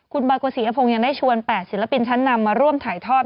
คุณบอยโกศียพงศ์ยังได้ชวน๘ศิลปินชั้นนำมาร่วมถ่ายทอด